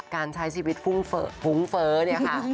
การใช้ชีวิตฟุ้งฟุ้งเฟ้อเนี่ยค่ะ